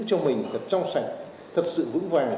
cho mình thật trong sạch thật sự vững vàng